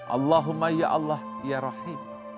allahumma ya allah ya rahim